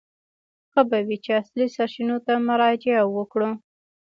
ښه به وي چې اصلي سرچینو ته مراجعه وکړو.